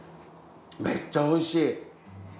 めっちゃ美味しい。